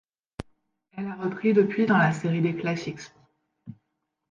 Elle a repris depuis, dans la série des Classics.